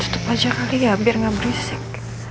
tutup saja ya biar tidak berisik